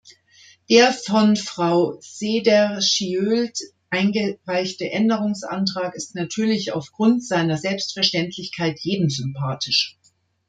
Der von Frau Cederschiöld eingereichte Änderungsantrag ist natürlich aufgrund seiner Selbstverständlichkeit jedem sympathisch.